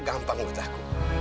gampang buat aku